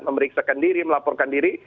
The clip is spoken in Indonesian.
memeriksakan diri melaporkan diri